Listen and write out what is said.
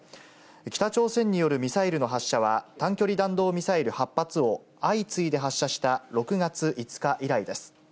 北朝鮮によるミサイルの発射は、短距離弾道ミサイル８発を相次いで発射した６月５日以来です。